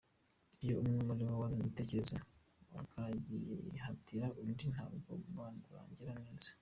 iyo umwe ariwe wazanye igitekerezo akagihatira undi ntabwo umubano urangira neza.